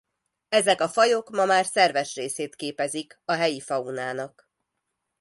Ezek a fajok ma már szerves részét képezik a helyi faunának.